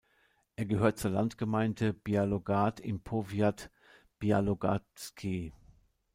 Es gehört zur Landgemeinde Białogard im Powiat Białogardzki.